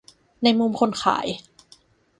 ในมุมคนขาย